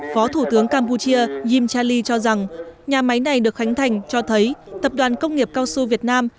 phó thủ tướng campuchia himcha ly cho rằng nhà máy này được khánh thành cho thấy tập đoàn công nghiệp cao su việt nam